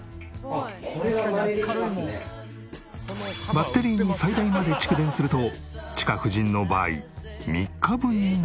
バッテリーに最大まで蓄電するとチカ婦人の場合３日分になるらしい。